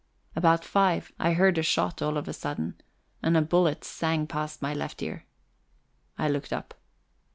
About five, I heard a shot all of a sudden, and a bullet sang past my left ear. I looked up.